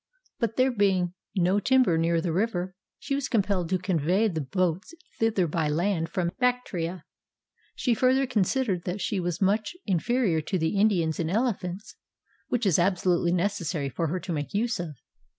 But there being no timber near the river, she was compelled to convey the boats thither by land from Bactria. She further con sidered that she was much inferior to the Indians in elephants (which it was absolutely necessary for her to make use of).